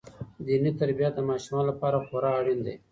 دیني تربیت د ماشومانو لپاره خورا اړین دی.